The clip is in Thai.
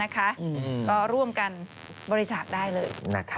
ก็ร่วมกันบริจาคได้เลย